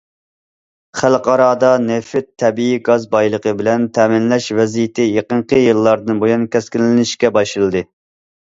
خەلقئارادا نېفىت، تەبىئىي گاز بايلىقى بىلەن تەمىنلەش ۋەزىيىتى يېقىنقى يىللاردىن بۇيان كەسكىنلىشىشكە باشلىدى.